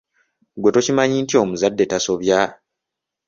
Gwe tokimanyi nti omuzadde tasobya?